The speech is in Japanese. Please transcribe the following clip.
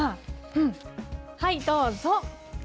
うん、はいどうぞ。